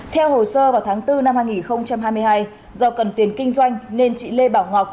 theo hồ sơ vào tháng bốn năm hai nghìn hai mươi hai do cần tiền kinh doanh nên chị lê bảo ngọc